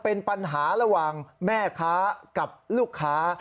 เป็นปัญหาระหว่างแม่ค้ากับลูกค้า